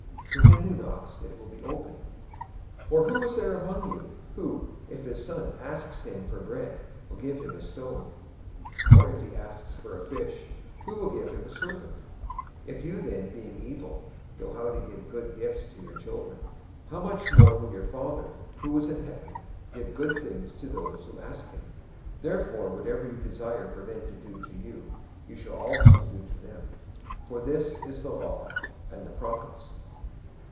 To him who knocks it will be opened. 007:009 Or who is there among you, who, if his son asks him for bread, will give him a stone? 007:010 Or if he asks for a fish, who will give him a serpent? 007:011 If you then, being evil, know how to give good gifts to your children, how much more will your Father who is in heaven give good things to those who ask him! 007:012 Therefore whatever you desire for men to do to you, you shall also do to them; for this is the law and the prophets.